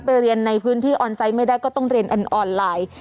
ไปเรียนในพื้นที่ออนไซต์ไม่ได้ก็ต้องเรียนออนไลน์